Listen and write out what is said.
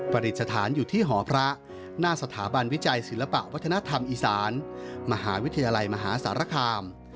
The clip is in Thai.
ประดิษฐานอยู่ที่หอพระหน้าสถาบันวิจัยศิลปะวัฒนธรรมอีสานมหาวิทยาลัยมหาสารคาม